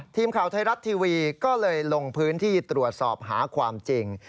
ทีมข่าวไทยรัฐทีวีก็เลยลงพื้นที่ตรวจสอบหาความจริง